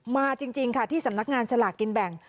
จริงค่ะที่สำนักงานสลากกินแบ่ง